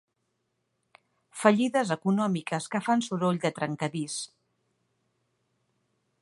Fallides econòmiques que fan soroll de trencadís.